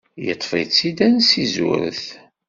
Iṭṭef-itt-id ansi zuret.